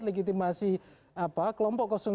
legitimasi kelompok dua